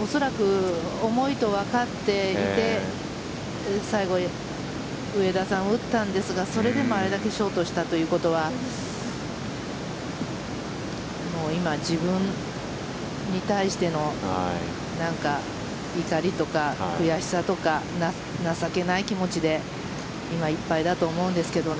恐らく重いとわかっていて最後、上田さんは打ったんですがそれでもあれだけショートしたということは今、自分に対しての怒りとか悔しさとか情けない気持ちで今いっぱいだと思うんですけど。